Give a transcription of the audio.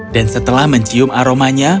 dan setelah mencium aromanya